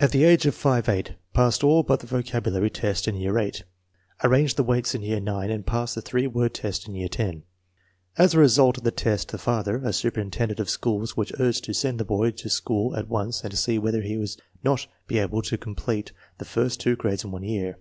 At the age of 5 8 passed all but the vocabulary test in year 8, arranged the weights in year 9, and passed the three word test in year 10. As a result of the test the father, a superintendent of schools, was urged to send the boy to school at once and to see whether he would not be able to complete 200 INTELLIGENCE OF SCHOOL CHILDBEN the first two grades in one year.